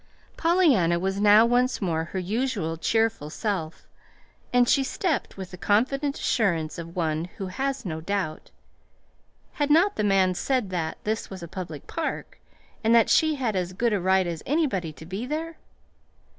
Pollyanna was now once more her usual cheerful self, and she stepped with the confident assurance of one who has no doubt. Had not the man said that this was a public park, and that she had as good a right as anybody to be there?